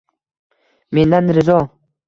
Mendan rizo